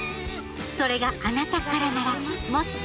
それがあなたからならもっと